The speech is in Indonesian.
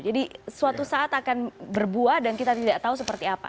jadi suatu saat akan berbuah dan kita tidak tahu seperti apa